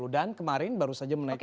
dan kemarin baru saja menaikkan